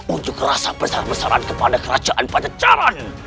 untuk rasa besar besaran kepada kerajaan pajacaran